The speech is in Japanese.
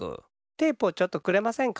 テープをちょっとくれませんか？